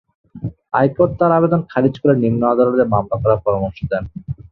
High court তাঁর আবেদন খারিজ করে নিম্ন আদালতে মামলা করার পরামর্শ দেন।